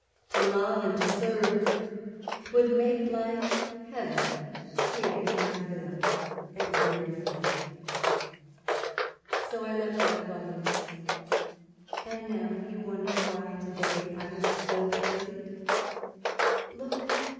To love and to serve 'twould make life Heaven Here in my villa at Viroflay. So I left my 'poilus': and now you wonder Why to day I am so elate. ... Look!